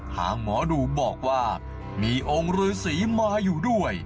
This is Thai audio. หมอดูบอกว่ามีองค์ฤษีมาอยู่ด้วย